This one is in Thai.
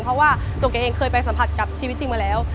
เพราะว่าตัวแกเองเคยไปสัมผัสกับชีวิตจริงมาแล้ว